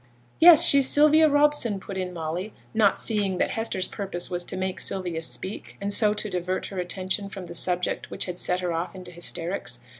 'Yes; she's Sylvia Robson,' put in Molly, not seeing that Hester's purpose was to make Sylvia speak, and so to divert her attention from the subject which had set her off into hysterics.